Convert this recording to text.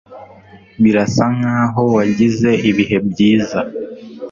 Birasa nkaho wagize ibihe byiza.